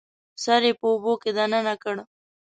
سر یې په اوبو کې دننه کړ